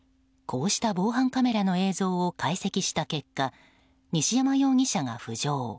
こうした防犯カメラの映像を解析した結果西山容疑者が浮上。